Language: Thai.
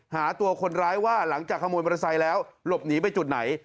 หาตัวคนร้ายว่าหลังจากขโมยบริษัทแล้วหลบหนีไปจุดไหน